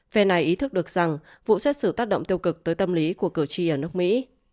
phe này ý thức được rằng vụ xét xử tác động tiêu cực tới tâm lý của cử tri ở nước mỹ